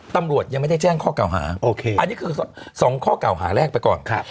ตำรวจยังไม่ได้แจ้งข้อกล่าวหาอันนี้คือ๒ข้อกล่าวหาแรกไปก่อนค่ะ